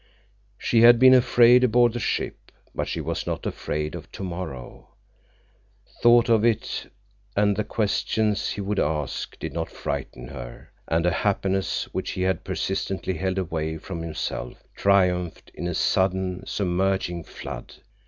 She had been afraid aboard the ship, but she was not afraid of tomorrow. Thought of it and the questions he would ask did not frighten her, and a happiness which he had persistently held away from himself triumphed in a sudden, submerging flood.